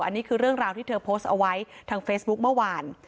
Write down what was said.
อันนี้คือเรื่องราวที่เธอโพสต์เอาไว้ทางเฟซบุ๊คเมื่อวาน